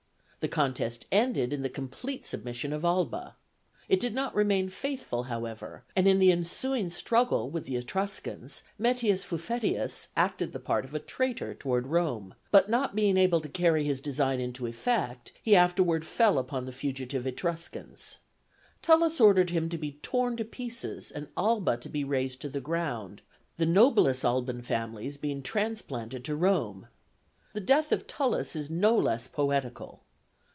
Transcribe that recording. The contest ended in the complete submission of Alba; it did not remain faithful, however, and in the ensuing struggle with the Etruscans, Mettius Fuffetius acted the part of a traitor toward Rome, but not being able to carry his design into effect, he afterward fell upon the fugitive Etruscans. Tullus ordered him to be torn to pieces and Alba to be razed to the ground, the noblest Alban families being transplanted to Rome. The death of Tullus is no less poetical.